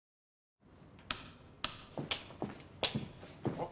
あっ。